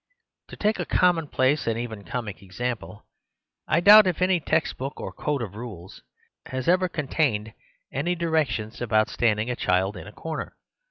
To take a commonplace and even comic ex ample, I doubt if any text book or code of rules has ever contained any directions about standing a child in a corner.